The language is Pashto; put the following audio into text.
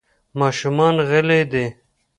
ماشومان غلي دي .